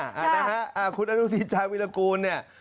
หรืออะไรอ่ะนะครับคุณอนุทีชายวินากูนเนี่ย